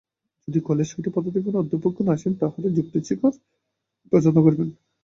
যদি কলেজ হইতে পদার্থবিজ্ঞানের অধ্যাপকগণ আসেন, তাঁহারা যুক্তিবিচার পছন্দ করিবেন।